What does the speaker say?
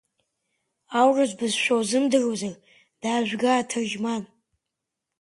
Аурыс бызшәа узымдыруазар даажәга аҭырџьман!